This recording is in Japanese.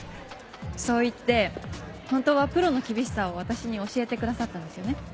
そう言って本当はプロの厳しさを私に教えてくださったんですよね。